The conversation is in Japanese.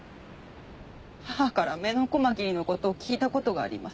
母からメノコマキリのことを聞いたことがあります。